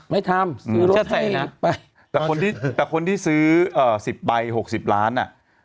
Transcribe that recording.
ไม่ทำซื้อรถให้นะไปแต่คนที่ซื้อ๑๐ใบ๖๐ล้าน